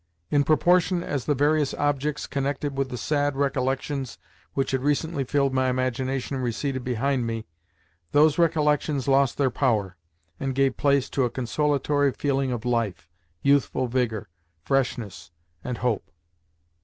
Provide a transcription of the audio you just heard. In proportion as the various objects connected with the sad recollections which had recently filled my imagination receded behind me, those recollections lost their power, and gave place to a consolatory feeling of life, youthful vigour, freshness, and hope.